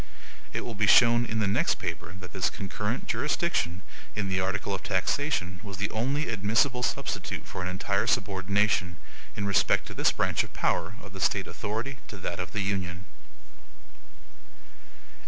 It will be shown in the next paper that this CONCURRENT JURISDICTION in the article of taxation was the only admissible substitute for an entire subordination, in respect to this branch of power, of the State authority to that of the Union.